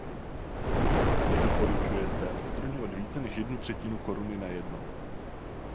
Nedoporučuje se odstraňovat více než jednu třetinu koruny najednou.